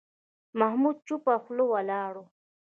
محمود چوپه خوله ولاړ و.